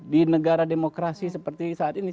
di negara demokrasi seperti saat ini